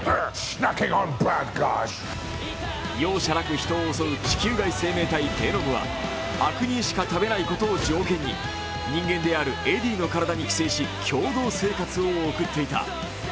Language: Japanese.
容赦なく人を襲う地球外生命体、ヴェノムは悪人しか食べないことを条件に人間であるエディの体に寄生し共同生活を送っていた。